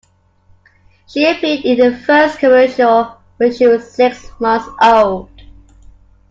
She appeared in her first commercial when she was six months old.